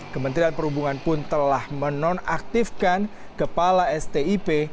kementerian perhubungan pun telah menonaktifkan kepala stip